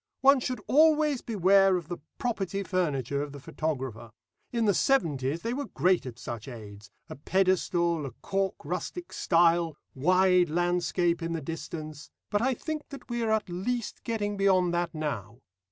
One should always beware of the property furniture of the photographer. In the seventies they were great at such aids a pedestal, a cork rustic stile, wide landscape in the distance, but I think that we are at least getting beyond that now.